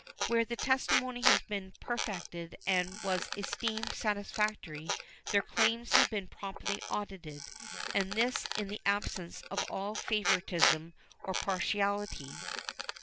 Where the testimony has been perfected and was esteemed satisfactory their claims have been promptly audited, and this in the absence of all favoritism or partiality.